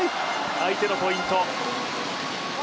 相手のポイント。